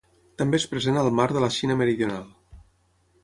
També és present al Mar de la Xina Meridional.